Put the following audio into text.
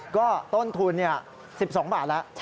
ก็ต้นทุน๑๒บาทแล้ว